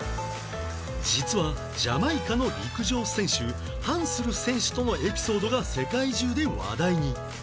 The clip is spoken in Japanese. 実はジャマイカの陸上選手ハンスル選手とのエピソードが世界中で話題に